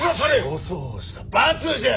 粗相をした罰じゃ！